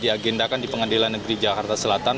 diagendakan di pengadilan negeri jakarta selatan